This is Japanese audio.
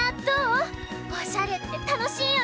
おしゃれってたのしいよね！